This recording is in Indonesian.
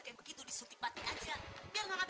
kumpulkanlah doa hamba ya allah